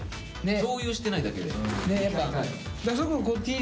共有してないだけで。